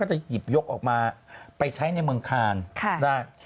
จะหยิบยกออกมาไปใช้ในเมืองคานได้